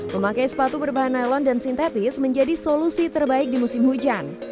memakai sepatu berbahan island dan sintetis menjadi solusi terbaik di musim hujan